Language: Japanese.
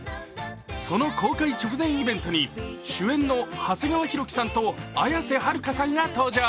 その公開直前イベントに主演の長谷川博己さんと綾瀬はるかさんが登場。